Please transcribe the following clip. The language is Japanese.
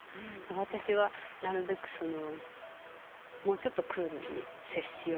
私は、なるべくもうちょっとクールに接っしよう